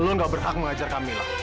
lo gak berhak menghajar kamila